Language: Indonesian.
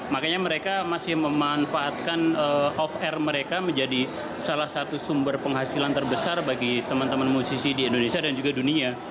makanya mereka masih memanfaatkan off air mereka menjadi salah satu sumber penghasilan terbesar bagi teman teman musisi di indonesia dan juga dunia